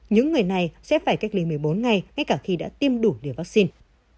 những người này sẽ phải cách ly một mươi bốn ngày ngay cả khi đã tiêm đủ liều vaccine